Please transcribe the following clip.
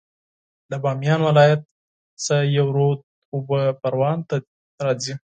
د بامیان ولایت څخه یو رود اوبه پروان ته راځي